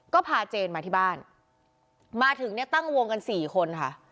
ก็พาเจนมาที่บ้านมาถึงเนี่ยตั้งวงกันสี่คนค่ะ